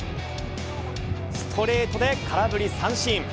ストレートで空振り三振。